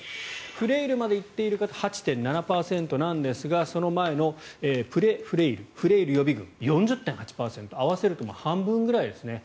フレイルまで行っている方８．７％なんですがその前のプレフレイルフレイル予備軍、４０．８％合わせると半分ぐらいですね。